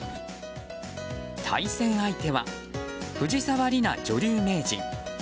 対戦相手は、藤沢里菜女流名人。